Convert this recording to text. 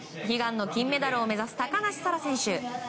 悲願の金メダルを目指す高梨沙羅選手。